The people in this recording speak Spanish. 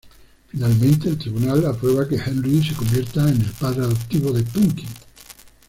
Finalmente, el tribunal aprueba que Henry se convierta en el padre adoptivo de Punky.